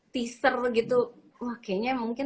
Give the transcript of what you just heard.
t ser gitu wah kayaknya mungkin